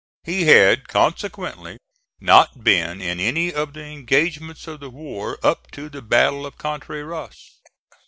He had consequently not been in any of the engagements of the war up to the battle of Contreras.